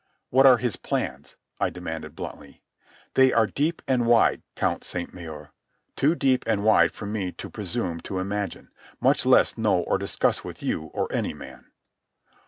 "What are his plans?" I demanded bluntly. "They are deep and wide, Count Sainte Maure—too deep and wide for me to presume to imagine, much less know or discuss with you or any man."